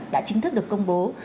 đã chính thức được công bố